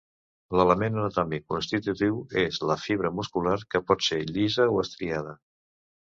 L'element anatòmic constitutiu és la fibra muscular, que pot ésser llisa o estriada.